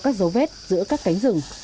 các dấu vết giữa các cánh rừng